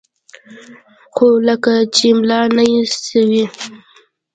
خو لکه چې ملا نه سوې.